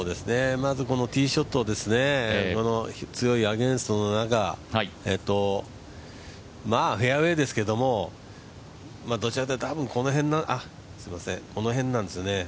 まずティーショットを強いアゲンストの中フェアウエーですけどどちらかというとこの辺なんですよね。